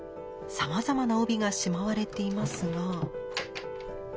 さまざまな帯がしまわれていますが。